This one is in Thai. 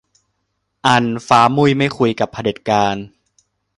อัน ฟ้ามุ่ยไม่คุยกับเผด็จการ